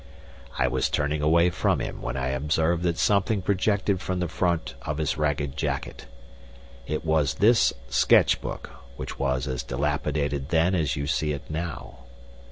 "I was turning away from him when I observed that something projected from the front of his ragged jacket. It was this sketch book, which was as dilapidated then as you see it now.